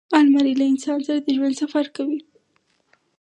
الماري له انسان سره د ژوند سفر کوي